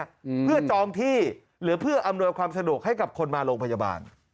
อืมเพื่อจองที่หรือเพื่ออำนวยความสะดวกให้กับคนมาโรงพยาบาล